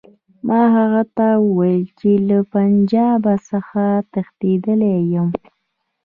ما هغه ته وویل چې له پنجاب څخه تښتېدلی یم.